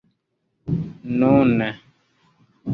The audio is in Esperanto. nune